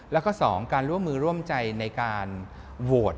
แล้วก็๒การร่วมมือร่วมใจในการโหวต